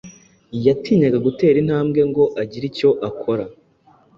Yatinyaga gutera intambwe ngo agire icyo akora.